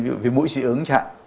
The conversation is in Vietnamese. ví dụ như mũi xị ứng chạm